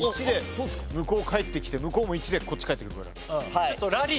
１で向こう返ってきて向こうも１でこっち返ってくるから。